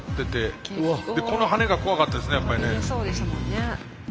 飛び出そうでしたもんね。